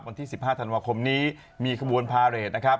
วันที่๑๕ธันวาคมนี้มีขบวนพาเรทนะครับ